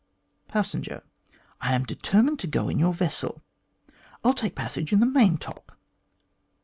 Passenger : "I am determined to go in your vessel; I'll take a passage in the main top."